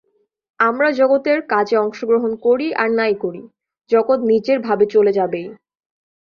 আমরা জগতের কাজে অংশগ্রহণ করি আর নাই করি, জগৎ নিজের ভাবে চলে যাবেই।